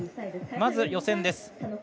まず予選です。